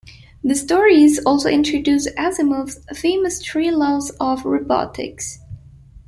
The stories also introduced Asimov's famous Three Laws of Robotics.